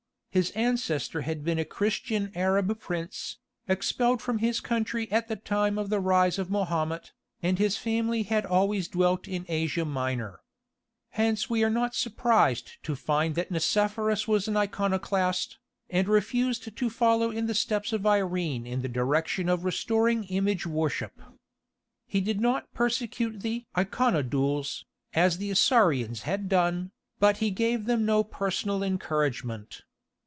His ancestor had been a Christian Arab prince, expelled from his country at the time of the rise of Mahomet, and his family had always dwelt in Asia Minor. Hence we are not surprised to find that Nicephorus was an Iconoclast, and refused to follow in the steps of Irene in the direction of restoring image worship. He did not persecute the "Iconodules," as the Isaurians had done, but he gave them no personal encouragement.